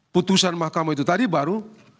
putusan mahkamah itu tadi baru